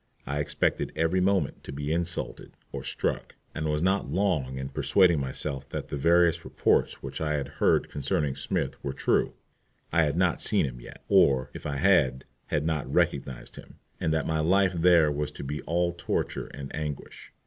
I expected every moment to be insulted or struck, and was not long in persuading myself that the various reports which I had heard concerning Smith were true I had not seen him yet, or, if I had, had not recognized him and that my life there was to be all torture and anguish.